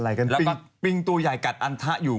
อะไรกันปริงตัวใหญ่กัดอันทะอยู่